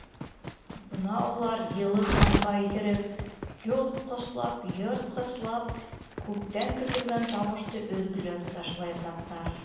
Бына улар йылы ҡанға иҫереп, йолҡҡослап, йыртҡыслап күптән көтөлгән табышты өҙгәләп ташлаясаҡтар.